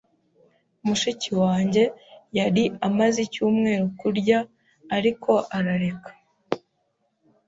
Mushiki wanjye yari amaze icyumweru kurya, ariko arareka.